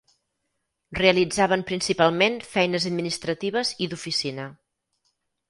Realitzaven principalment feines administratives i d'oficina.